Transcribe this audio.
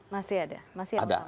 masih ada masih ada